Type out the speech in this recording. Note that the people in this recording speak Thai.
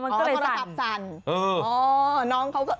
อ๋อก็เลยสั่นเออน้องเค้า